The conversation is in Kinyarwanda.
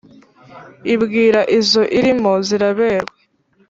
ibwira izo irimo ziraberwa,